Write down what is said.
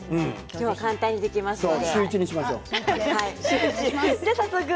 今日は簡単にできますからね。